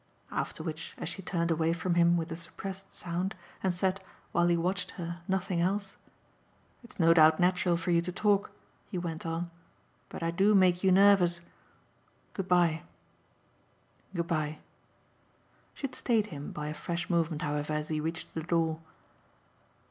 After which, as she turned away from him with a suppressed sound and said, while he watched her, nothing else, "It's no doubt natural for you to talk," he went on, "but I do make you nervous. Good bye good bye." She had stayed him, by a fresh movement, however, as he reached the door.